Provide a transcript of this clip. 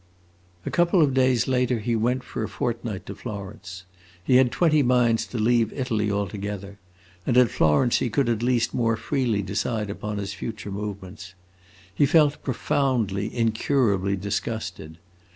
A couple of days later he went, for a fortnight, to Florence. He had twenty minds to leave Italy altogether; and at Florence he could at least more freely decide upon his future movements. He felt profoundly, incurably disgusted.